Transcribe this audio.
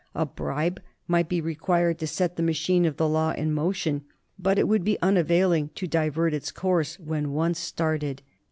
A bribe might be required to set the machine of the law in motion, but it would be unavailing to divert its course when once started."